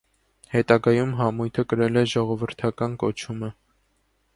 Հետագայում համույթը կրել է «ժողովրդական» կոչումը։